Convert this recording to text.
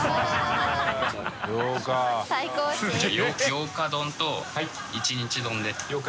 八日丼と一日丼で。